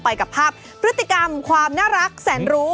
ไปกับภาพพฤติกรรมความน่ารักแสนรู้